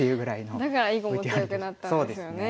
だから囲碁も強くなったんですよね。